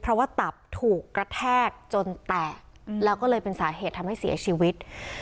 เพราะว่าตับถูกกระแทกจนแตกแล้วก็เลยเป็นสาเหตุทำให้เสียชีวิต